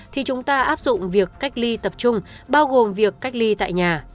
thì chúng ta áp dụng việc cách ly tập trung bao gồm việc cách ly tại nhà